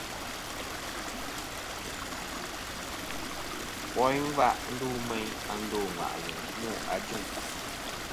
Woyn ngva ndu meyn a ndo ŋwà'lɨ nô ajuŋ.